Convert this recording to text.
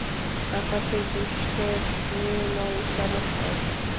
আকাশের পৃষ্ঠ নির্মল চমৎকার।